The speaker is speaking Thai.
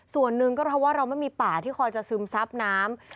ส่วนหนึ่งก็เพราะว่าเราไม่มีป่าที่คอยจะซึมซับน้ำ